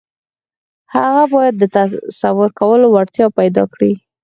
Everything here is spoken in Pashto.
هغه بايد د تصور کولو وړتيا پيدا کړي.